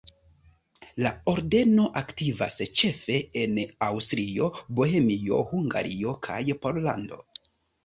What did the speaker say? La ordeno aktivas ĉefe en Aŭstrio, Bohemio, Hungario kaj Pollando.